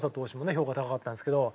評価高かったんですけど。